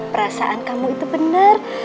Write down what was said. perasaan kamu itu bener